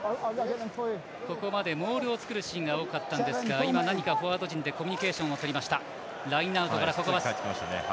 ここまでモールを作るシーンが多かったんですが何かフォワード陣でコミュニケーションをとりました。